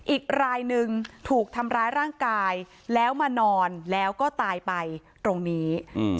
อีกรายหนึ่งถูกทำร้ายร่างกายแล้วมานอนแล้วก็ตายไปตรงนี้